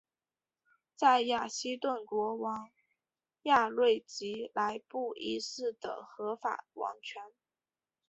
自雅西顿国王亚瑞吉来布一世的合法王权。